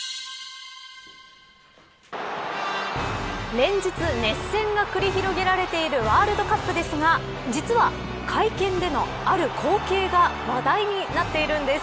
連日、熱戦が繰り広げられているワールドカップですが実は、会見でのある光景が話題になっているんです。